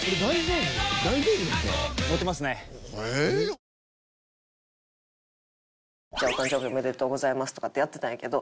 脂肪に選べる「コッコアポ」「お誕生日おめでとうございます」とかってやってたんやけど。